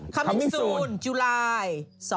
คำสูญ๐จุลาย๒๐๑๖